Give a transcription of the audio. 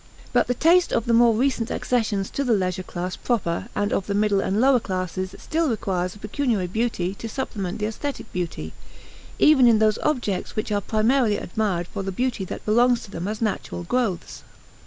But the taste of the more recent accessions to the leisure class proper and of the middle and lower classes still requires a pecuniary beauty to supplement the aesthetic beauty, even in those objects which are primarily admired for the beauty that belongs to them as natural growths.